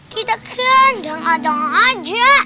kita kan jangan jangan aja